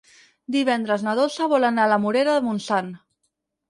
Divendres na Dolça vol anar a la Morera de Montsant.